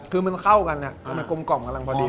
คือมันเกิ้ลกล้องกล้องกำลังพอดี